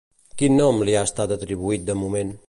Quin nom li ha estat atribuït de moment?